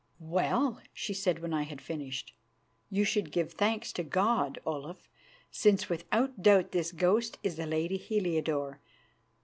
"Well," she said when I had finished, "you should give thanks to God, Olaf, since without doubt this ghost is the lady Heliodore.